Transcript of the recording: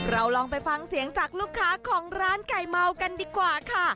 ลองไปฟังเสียงจากลูกค้าของร้านไก่เมากันดีกว่าค่ะ